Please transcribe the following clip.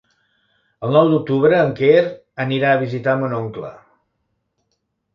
El nou d'octubre en Quer anirà a visitar mon oncle.